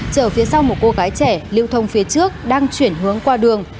chở phía sau một cô gái trẻ lưu thông phía trước đang chuyển hướng qua đường